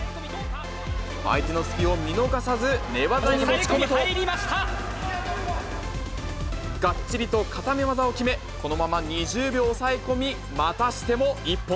相手の隙を見逃さず、寝技に持ち込むと、がっちりと固め技を決め、このまま２０秒抑え込み、またしても一本。